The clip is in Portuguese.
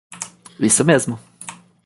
Isso mesmo!